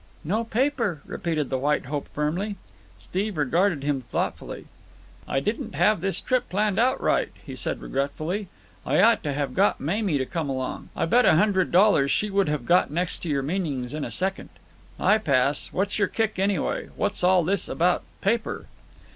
"No paper," repeated the White Hope firmly. Steve regarded him thoughtfully. "I didn't have this trip planned out right," he said regretfully. "I ought to have got Mamie to come along. I bet a hundred dollars she would have got next to your meanings in a second. I pass. What's your kick, anyway? What's all this about paper?"